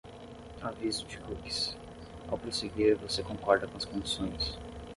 Aviso de cookies: ao prosseguir, você concorda com as condições